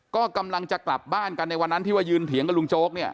ก็กำลังจะกลับบ้านกันในวันนั้นที่ว่ายืนเถียงกับลุงโจ๊กเนี่ย